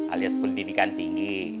alias pendidikan tinggi